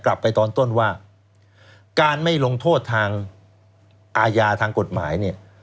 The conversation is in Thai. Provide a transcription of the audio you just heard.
กลับไปตอนต้นว่าการไม่ลงโทษทางอาญาทางกฎหมายเนี่ย